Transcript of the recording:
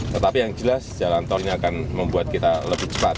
tetapi yang jelas jalan tolnya akan membuat kita lebih cepat